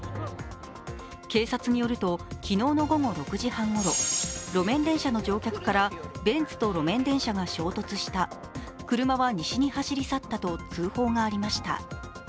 警察によると昨日の午後６時半ごろ路面電車の乗客からベンツと路面電車が衝突した、車は西に走り去ったと通報がありました。